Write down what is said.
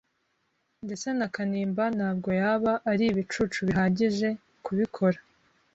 Ndetse na Kanimba ntabwo yaba ari ibicucu bihagije kubikora.